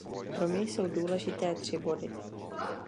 Pro mě jsou důležité tři body.